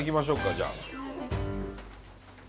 じゃあ。